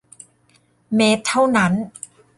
เมตรเท่านั้น